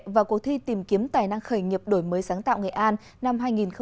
và cuộc thi tìm kiếm tài năng khởi nghiệp đổi mới sáng tạo nghệ an năm hai nghìn hai mươi